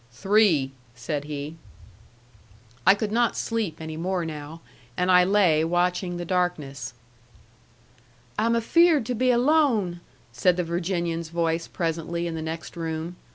"Three," said he. I could not sleep any more now, and I lay watching the darkness. "I'm afeared to be alone!" said the Virginian's voice presently in the next room.